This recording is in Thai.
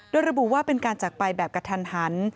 โดยระบุว่าเป็นการจักปลายแบบกระทัน